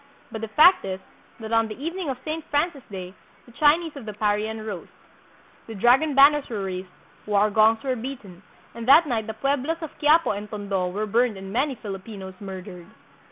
But the fact is, that on the evening of Saint Francis day the Chinese of the Parian rose. The dragon banners were raised, war gongs were beaten, and that night the pueblos of Quiapo and Tondo were burned and many Filipinos murdered.